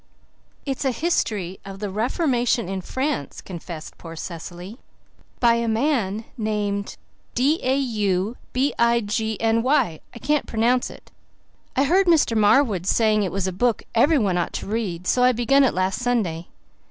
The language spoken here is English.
"It's a History of the Reformation in France," confessed poor Cecily, "by a man named D a u b i g n y. I can't pronounce it. I heard Mr. Marwood saying it was a book everyone ought to read, so I began it last Sunday.